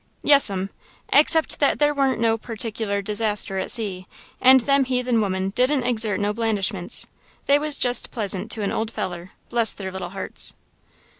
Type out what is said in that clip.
"Yes'm, except that there wa'n't no particular disaster at sea and them heathen women didn't exert no blandishments. They was jest pleasant to an old feller, bless their little hearts."